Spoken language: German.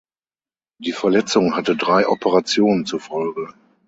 Die Verletzung hatte drei Operationen zur Folge.